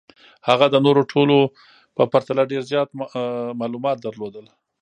هغه د نورو ټولو په پرتله ډېر معلومات درلودل